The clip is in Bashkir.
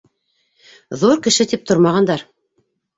Ҙур кеше тип тормағандар!